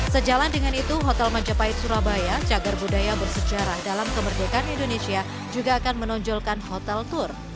sejalan dengan itu hotel majapahit surabaya cagar budaya bersejarah dalam kemerdekaan indonesia juga akan menonjolkan hotel tour